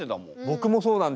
僕もそうなんです。